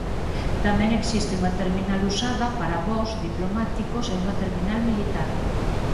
Tamén existe unha terminal usada para voos diplomáticos e unha terminal militar.